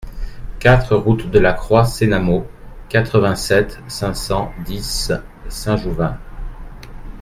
quatre route de la Croix Sénamaud, quatre-vingt-sept, cinq cent dix, Saint-Jouvent